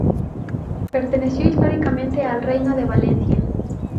Perteneció históricamente al Reino de Valencia.